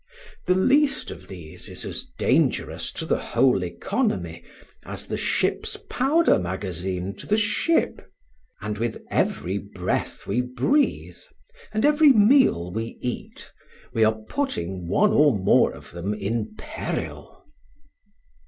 The least of these is as dangerous to the whole economy as the ship's powder magazine to the ship; and with every breath we breathe, and every meal we eat, we are putting one or more of them in peril.